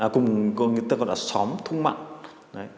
cùng người ta gọi là xóm thung mặn